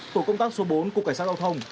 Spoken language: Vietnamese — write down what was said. tổ công tác số bốn của cảnh sát giao thông